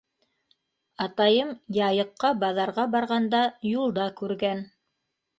Атайым Яйыҡҡа баҙарға барғанда юлда күргән.